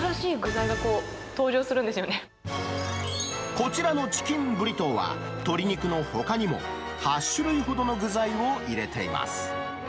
たんびに、こちらのチキンブリトーは、鶏肉のほかにも８種類ほどの具材を入れています。